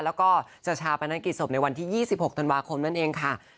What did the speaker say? แล้วก็จะชาปนกิจศพในวันที่๒๖ธันวาคมนั่นเองค่ะ